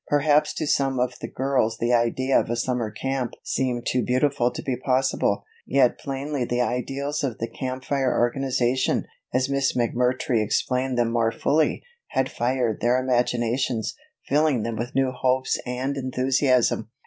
Perhaps to some of the girls the idea of a summer camp seemed too beautiful to be possible, yet plainly the ideals of the Camp Fire organization, as Miss McMurtry explained them more fully, had fired their imaginations, filling them with new hopes and enthusiasm.